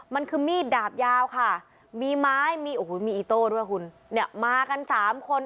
มันคือมีดดาบยาวค่ะมีไม้มีอีโต้ด้วยคุณมากัน๓คน